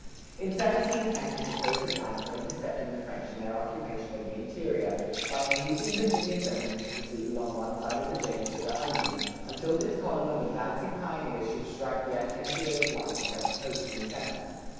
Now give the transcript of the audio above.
In 1710 he proposed a plan for intercepting the French in their occupation of the interior, by inducing Virginia settlement to proceed along one side of James River only, until this column of advancing pioneers should strike the attenuated line of French posts in the center.